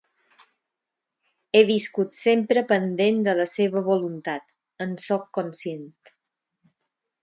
He viscut sempre pendent de la seva voluntat, en sóc conscient.